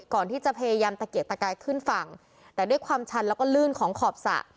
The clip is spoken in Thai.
พยายามที่จะพยายามตะเกียกตะกายขึ้นฝั่งแต่ด้วยความชันแล้วก็ลื่นของขอบสระ